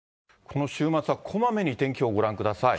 この週末はこまめに天気予報、ご覧ください。